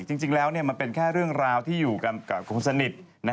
จริงแล้วมันเป็นแค่เรื่องราวที่อยู่กับคนสนิท